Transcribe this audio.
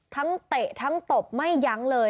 เตะทั้งตบไม่ยั้งเลย